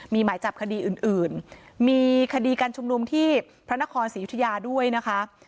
มีหมายจับคดีอื่นมีคดีการชุมนุมที่พระนครศรียุธยาด้วยนะคะ